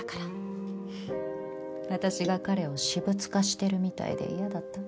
私が彼を私物化してるみたいで嫌だった？